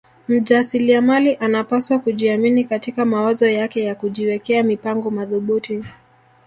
Mjasiliamali anapaswa kujiamini katika mawazo yake na kujiwekea mipango mathubuti